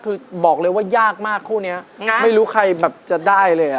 คือบอกเลยว่ายากมากคู่นี้ง่ายไม่รู้ใครแบบจะได้เลยอ่ะ